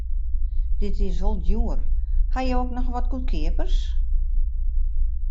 Dit is wol djoer, ha jo ek noch wat goedkeapers?